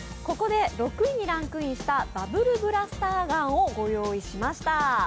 ここで６位にランクインしたバブルブラスターガンをご用意しました。